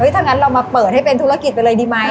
ถ้างั้นเรามาเปิดให้เป็นธุรกิจไปเลยดีไหม